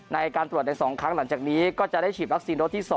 ในการตรวจใน๒ครั้งหลังจากนี้ก็จะได้ฉีดวัคซีนโดสที่๒